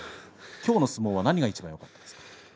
きょうの相撲は何がよかったですか？